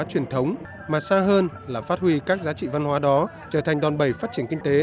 truyền thống mà xa hơn là phát huy các giá trị văn hóa đó trở thành đòn bẩy phát triển kinh tế